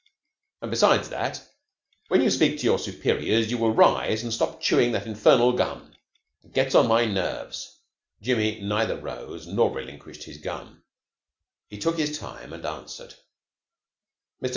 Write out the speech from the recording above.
And besides that, when you speak to your superiors you will rise and stop chewing that infernal gum. It gets on my nerves." Jimmy neither rose nor relinquished his gum. He took his time and answered. "Mr.